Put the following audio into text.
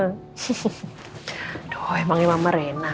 aduh emangnya mama rena